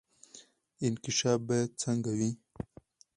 انکشاف باید څنګه وي؟